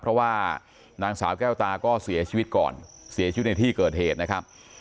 เพราะว่านางสาวแก้วตาก็เสียชีวิตก่อนเสียชีวิตในที่เกิดเหตุนะครับ